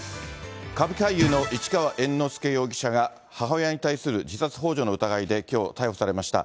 歌舞伎俳優の市川猿之助容疑者が、母親に対する自殺ほう助の疑いで、きょう、逮捕されました。